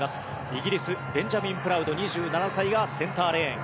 イギリスベンジャミン・プラウド２７歳がセンターレーン。